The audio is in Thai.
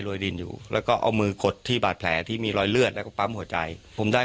ดินอยู่แล้วก็เอามือกดที่บาดแผลที่มีรอยเลือดแล้วก็ปั๊มหัวใจผมได้